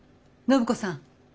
暢子さん。